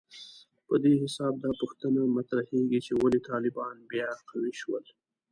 په دې حساب دا پوښتنه مطرحېږي چې ولې طالبان بیا قوي شول